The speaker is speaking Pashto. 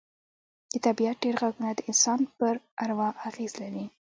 د طبیعت ډېر غږونه د انسان پر اروا اغېز لري